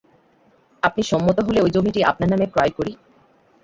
আপনি সম্মত হলে ঐ জমিটি আপনার নামে ক্রয় করি।